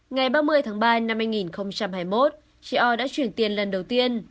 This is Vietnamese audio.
ngày ba mươi tháng ba năm hai nghìn hai mươi một chị o đã chuyển tiền lần đầu tiên